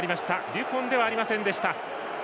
デュポンではありませんでした。